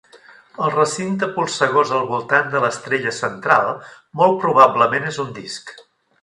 El recinte polsegós al voltant de l'estrella central molt probablement és un disc.